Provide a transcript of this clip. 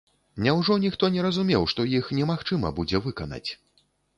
Няўжо ніхто не разумеў, што іх немагчыма будзе выканаць?